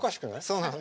そうなの。